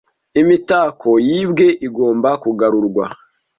Imitako yibwe igomba kugarurwa